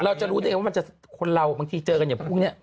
เราจะรู้ได้ไหมว่ามันสักคนเรามันพวกมันเจอกันอย่างบุ้งเนี่ย